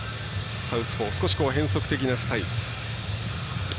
サウスポー、少し変則的なスタイル。